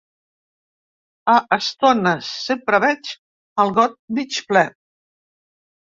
A estones… Sempre veig el got mig ple.